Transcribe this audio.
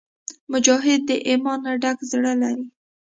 مجاهد د ایمان نه ډک زړه لري.